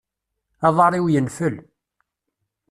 Aḍar-iw yenfel.